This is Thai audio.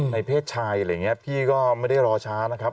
ในเพศชายพี่ก็ไม่ได้รอช้านะครับ